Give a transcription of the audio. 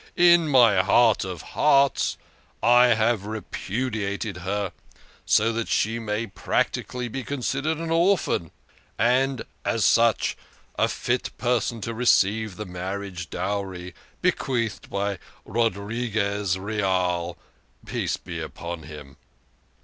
In my heart of hearts I have repudi ated her, so that she may practically be considered an orphan, and, as such, a fit person to receive the marriage dowry bequeathed by Rodriguez Real, peace be upon him."